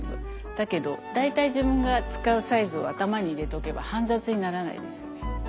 だけど大体自分が使うサイズを頭に入れとけば煩雑にならないですよね。